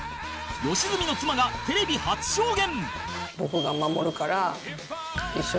良純の妻がテレビ初証言！